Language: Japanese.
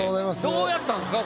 どうやったんですか？